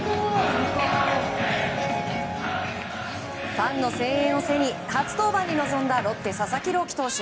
ファンの声援を背に初登板に臨んだロッテ、佐々木朗希投手。